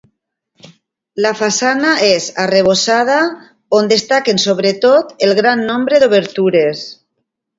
La façana és arrebossada on destaquen sobretot el gran nombre d'obertures.